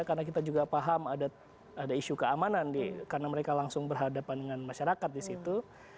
karena kita juga paham ada isu keamanan karena mereka langsung berhadapan dengan masyarakat di situ